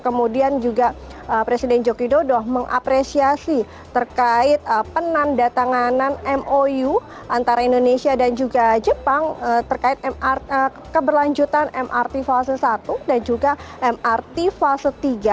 kemudian juga presiden joko widodo mengapresiasi terkait penanda tanganan mou antara indonesia dan juga jepang terkait keberlanjutan mrt fase satu dan juga mrt fase tiga